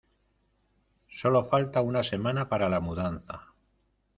Sólo falta una semana para la mudanza.